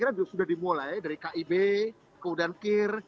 ini sudah dimulai dari kib kemudian kir